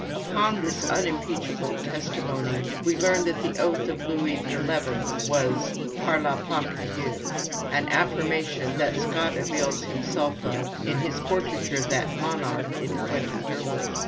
Upon this unimpeachable testimony we learn that the oath of Louis XI. was par la Pâque Dieu, an affirmation that Scott avails himself of in his portraiture of that monarch in 'Quentin Durward.'